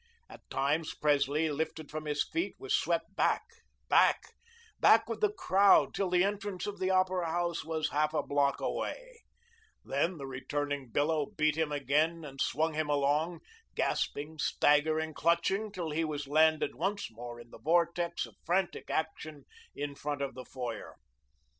At times, Presley, lifted from his feet, was swept back, back, back, with the crowd, till the entrance of the Opera House was half a block away; then, the returning billow beat back again and swung him along, gasping, staggering, clutching, till he was landed once more in the vortex of frantic action in front of the foyer.